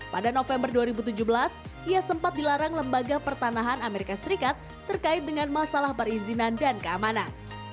pada november dua ribu tujuh belas ia sempat dilarang lembaga pertanahan amerika serikat terkait dengan masalah perizinan dan keamanan